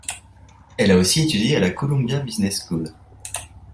Elle a aussi étudié à la Columbia Business School.